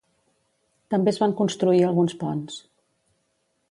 També es van construir alguns ponts.